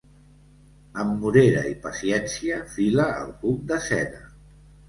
Amb morera i paciència fila el cuc de seda.